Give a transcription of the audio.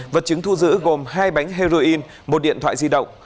vật chứng thu giữ gồm hai bánh heroin một điện thoại di động